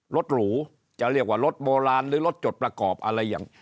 หรูจะเรียกว่ารถโบราณหรือรถจดประกอบอะไรอย่าง